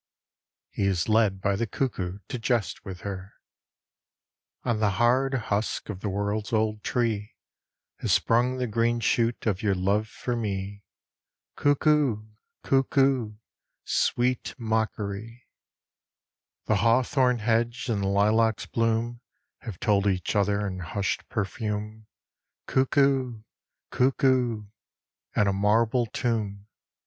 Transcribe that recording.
He is led by the Cuckoo to jest with Her O N the hard husk Of the world's old tree Has sprung the green shoot Of your love for me. Cuckoo ! Cuckoo ! Sweet mockery ! 63 IN THE NET OF THE STARS The hawthorn hedge And the lilac's bloom Have told each other In hushed perfume. Cuckoo ! Cuckoo ! And a marble tomb